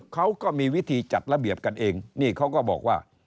เขาก็มีวิธีจัดระเบียบกันเองนี่เขาก็บอกว่า